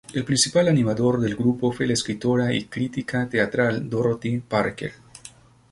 El principal animador del grupo fue la escritora y crítica teatral Dorothy Parker.